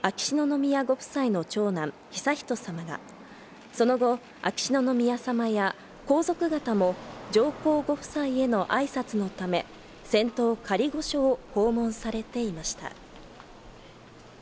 これに先立ち、午前には、秋篠宮ご夫妻の長男・悠仁さまがその後、秋篠宮さまや皇族方も上皇ご夫妻への挨拶のため仙洞仮御所を訪問されていました。